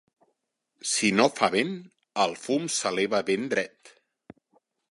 Si no fa vent, el fum s'eleva ben dret.